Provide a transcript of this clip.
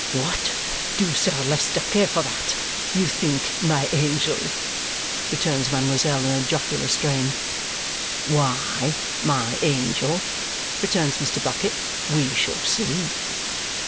"What do Sir Leicester care for that, you think, my angel?" returns mademoiselle in a jocular strain. "Why, my angel," returns Mr. Bucket, "we shall see."